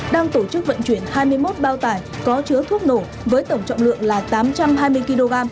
đang tổ chức vận chuyển hai mươi một bao tải có chứa thuốc nổ với tổng trọng lượng là tám trăm hai mươi kg